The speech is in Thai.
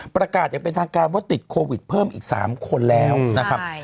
ประกาศอย่างเป็นทางการว่าติดโควิดเพิ่มอีก๓คนแล้วนะครับ